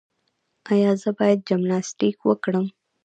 ایا زه باید جمناسټیک وکړم؟